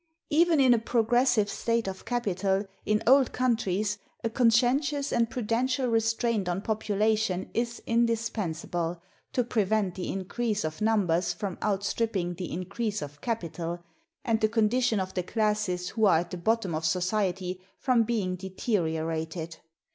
Even in a progressive state of capital, in old countries, a conscientious or prudential restraint on population is indispensable, to prevent the increase of numbers from outstripping the increase of capital, and the condition of the classes who are at the bottom of society from being deteriorated.